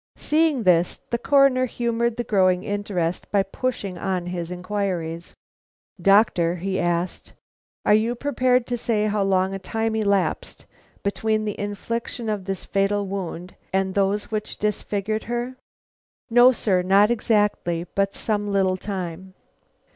Seeing this, the Coroner humored the growing interest by pushing on his inquiries. "Doctor," he asked, "are you prepared to say how long a time elapsed between the infliction of this fatal wound and those which disfigured her?" "No, sir, not exactly; but some little time."